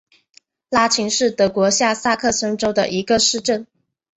拉岑是德国下萨克森州的一个市镇。